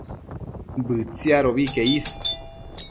Bëtsiadobi que is